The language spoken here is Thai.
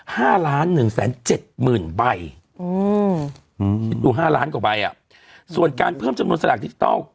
ห้าล้านหนึ่งแสนเจ็ดหมื่นใบอืมอืมคิดดูห้าล้านกว่าใบอ่ะส่วนการเพิ่มจำนวนสลากดิจิทัล